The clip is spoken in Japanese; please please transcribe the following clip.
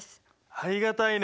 ありがたいね